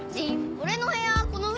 俺の部屋この上？